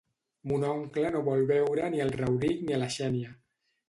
Mon oncle no vol veure ni al Rauric ni a la Xènia.